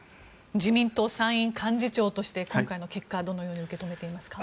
自民党参院幹事長として今回の結果どのように受け止めていますか。